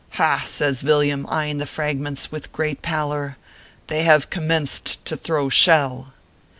" Ha !" says Villiam, eyeing the fragments with great pallor, " they have commenced to throw shell."